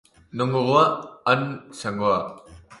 Non gogoa, han zangoa.